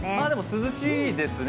涼しいですね。